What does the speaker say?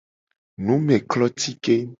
Numeklotike.